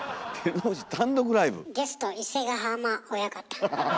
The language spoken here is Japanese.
ゲスト伊勢ヶ濱親方。